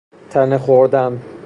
تنه خوردن